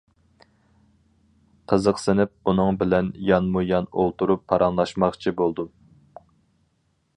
قىزىقسىنىپ، ئۇنىڭ بىلەن يانمۇيان ئولتۇرۇپ پاراڭلاشماقچى بولدۇم.